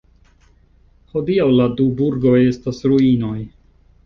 Hodiaŭ la du burgoj estas ruinoj.